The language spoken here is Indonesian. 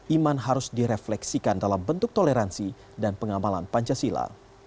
iman harus direfleksikan dalam bentuk toleransi dan pengamalan pancasila